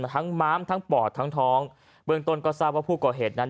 ม้ามทั้งปอดทั้งท้องเบื้องต้นก็ทราบว่าผู้ก่อเหตุนั้น